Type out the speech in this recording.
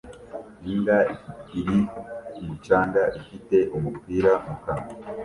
Imbwa iri ku mucanga ifite umupira mu kanwa